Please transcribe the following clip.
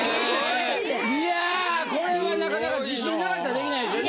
いやこれはなかなか自信なかったら出来ないですよね。